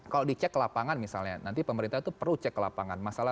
kalau dicek lapangan misalnya nanti pemerintah itu perlu cek lapangan